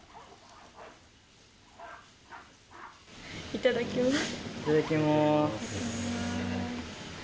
いただきます。